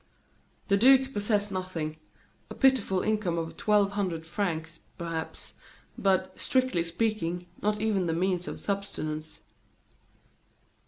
The duke possessed nothing a pitiful income of twelve hundred francs, perhaps; but, strictly speaking, not even the means of subsistence.